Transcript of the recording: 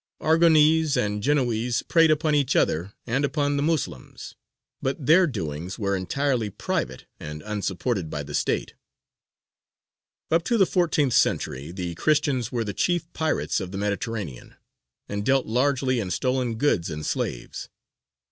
Aragonese and Genoese preyed upon each other and upon the Moslems; but their doings were entirely private and unsupported by the state. Up to the fourteenth century the Christians were the chief pirates of the Mediterranean, and dealt largely in stolen goods and slaves.